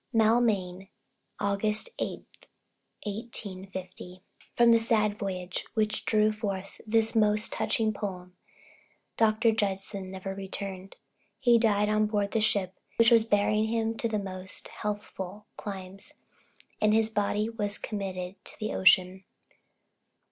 Maulmain, August 8th, 1850 From the sad voyage which drew forth this most touching poem Dr. Judson never returned. He died on board the ship which was bearing him to more healthful climes; and his body was committed to the ocean.